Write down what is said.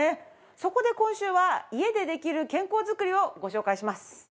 そこで今週は家でできる健康づくりをご紹介します。